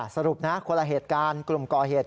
สรุปนะคนละเหตุการณ์กลุ่มก่อเหตุ